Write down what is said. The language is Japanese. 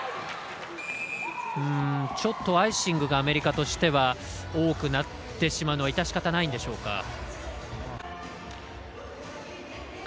ちょっとアイシングがアメリカとしては多くなってしまうのは致し方ないんでしょうか。